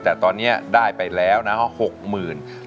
แต่ตอนนี้ได้ไปแล้วนะ๖๐๐๐บาท